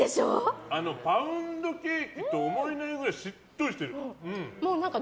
パウンドケーキと思えないくらいしっとりしてる。